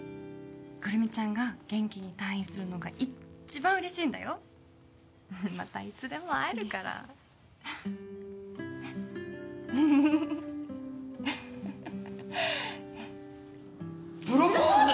胡桃ちゃんが元気に退院するのが一番嬉しいんだよまたいつでも会えるからねっプロポーズ？